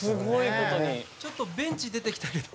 ちょっとベンチ出てきたけど。